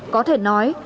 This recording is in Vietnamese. có thể nói